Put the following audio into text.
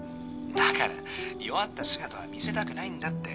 だから弱った姿は見せたくないんだって。